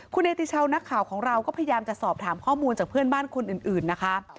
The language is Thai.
คุณเนติชาวนักข่าวของเราก็พยายามจะสอบถามข้อมูลจากเพื่อนบ้านคนอื่นนะคะ